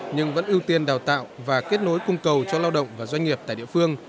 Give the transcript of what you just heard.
nhưng vẫn ưu tiên đào tạo và kết nối cung cầu cho lao động và doanh nghiệp tại địa phương